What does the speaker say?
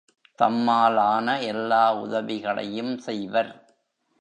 தம்மாலான எல்லா உதவிகளையும் செய்வர்.